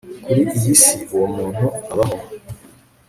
kuri iyi si uwo muntu abaho